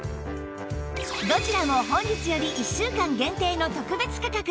どちらも本日より１週間限定の特別価格！